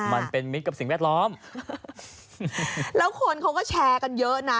มิตรกับสิ่งแวดล้อมแล้วคนเขาก็แชร์กันเยอะนะ